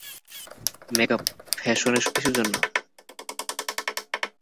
Make-up, fashion এসব কি জন্য?